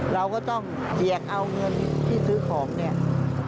เราก็ต้องเกียรติเอาเงินที่ซื้อของ